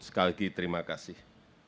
sekali lagi terima kasih